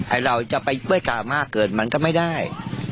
ไอ้เราจะไปช่วยกามากเกินมันก็ไม่ได้